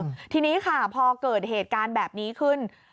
อืมทีนี้ค่ะพอเกิดเหตุการณ์แบบนี้ขึ้น